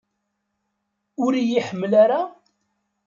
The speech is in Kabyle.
Ur iyi-iḥemmel ara?